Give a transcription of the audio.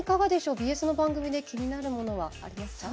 ＢＳの番組で気になるものはありますか？